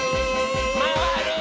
まわるよ。